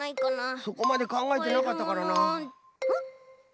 そこまでかんがえてなかったからな。